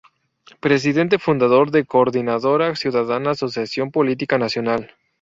Presidente Fundador de Coordinadora Ciudadana Asociación Política Nacional.